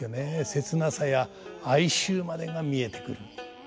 切なさや哀愁までが見えてくる。